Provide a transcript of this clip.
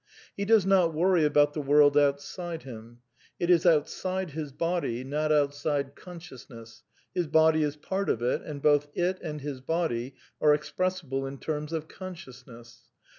He does not worry about the world outside him. It is outside his body, not outside consciousness; his body isv; part of it, and both it and his body are expressible in termis of consciousness.